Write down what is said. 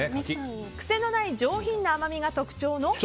癖のない上品な甘みが特徴の。